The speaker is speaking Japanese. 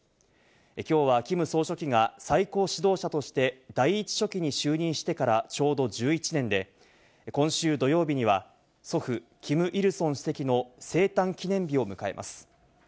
今日はキム総書記が最高指導者として第１書記に就任してからちょうど１１年で、今週土曜日には祖父、キム・イルソン主席の生誕記念日を迎えます。